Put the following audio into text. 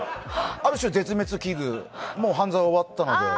ある種、絶滅危惧、もう「半沢」終わったので。